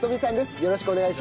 よろしくお願いします。